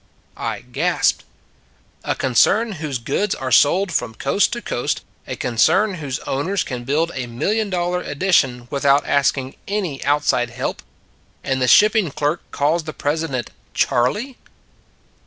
I gasped. A concern whose goods are sold from coast to coast, a concern whose owners can build a million dollar addition without asking any outside help ! And the shipping clerk calls the president "Charley!"